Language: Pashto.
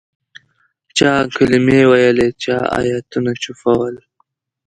چا کلمې ویلې چا آیتونه چوفول.